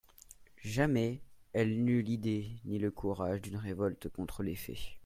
Jamais elle n'eut l'idée ni le courage d'une révolte contre les faits.